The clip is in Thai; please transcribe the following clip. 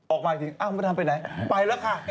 ออกไปทีนี้ไมโตดาลไปไหนไปแล้วค่ะ